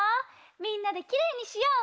みんなできれいにしよう！